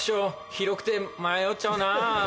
広くて迷っちゃうな。